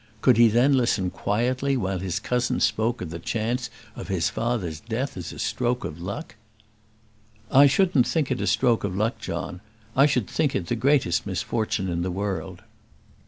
Could he then listen quietly while his cousin spoke of the chance of his father's death as a stroke of luck? "I shouldn't think it a stroke of luck, John. I should think it the greatest misfortune in the world."